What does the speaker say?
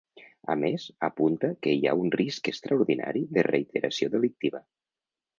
A més, apunta que hi ha un ‘risc extraordinari’ de reiteració delictiva.